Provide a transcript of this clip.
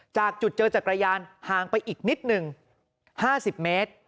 จากจุดเจอจักรยานห่างไปอีกนิดหนึ่ง๕๐เมตร